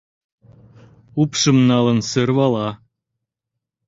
Упшым налын сӧрвала.